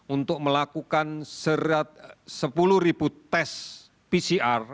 untuk melakukan sepuluh tes pcr